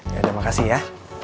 ya udah makasih ya